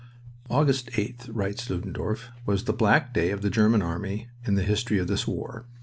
"August 8th," writes Ludendorff, "was the black day of the German army in the history of this war."